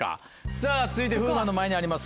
さぁ続いて風磨の前にあります